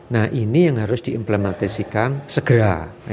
nah ini yang harus diimplementasikan segera